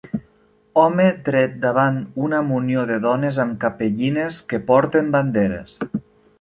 Home dret davant una munió de dones amb capellines que porten banderes.